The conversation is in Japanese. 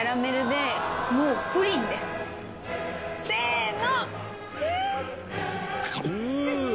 せの！